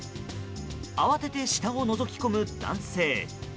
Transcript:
慌てて下をのぞき込む男性。